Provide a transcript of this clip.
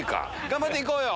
頑張って行こうよ